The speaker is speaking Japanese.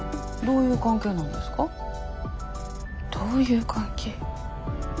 どういう関係。